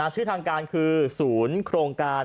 ชื่อทางการคือศูนย์โครงการ